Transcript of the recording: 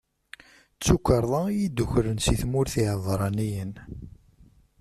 D tukerḍa i yi-d-ukren si tmurt n Iɛebṛaniyen.